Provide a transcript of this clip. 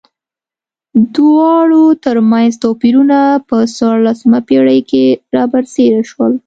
دواړو ترمنځ توپیرونه په څوارلسمه پېړۍ کې را برسېره شول.